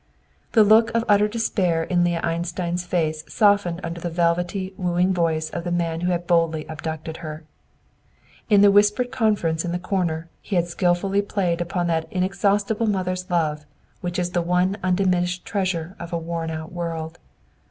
The look of utter despair in Leah Einstein's face softened under the velvety, wooing voice of the man who had boldly abducted her. In the whispered conference in the corner, he had skilfully played upon that inexhaustible mother's love which is the one undiminished treasure of a worn out world.